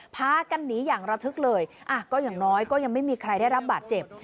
พากันหนีอย่างระทึกเลยอ่ะก็อย่างน้อยก็ยังไม่มีใครได้รับบาดเจ็บ